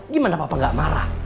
gimana papa gak marah